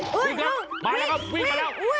วิ่งมาแล้ววิ่ง